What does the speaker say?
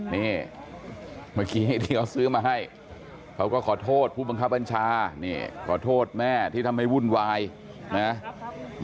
นี่เมื่อกี้ที่เขาซื้อมาให้เขาก็ขอโทษผู้บังคับบัญชานี่ขอโทษแม่ที่ทำให้วุ่นวายนะ